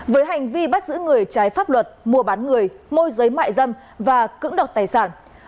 với hành vi bắt giữ người trái pháp luật mua bán người môi giấy mại dâm và cứng đọc tài sản